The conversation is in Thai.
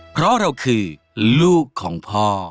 เพราะเราคือลูกของพ่อ